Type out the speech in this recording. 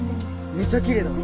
めっちゃきれいだな。